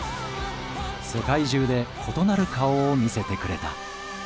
世界中で異なる顔を見せてくれた。